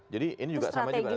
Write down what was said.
jadi ini juga sama juga nanti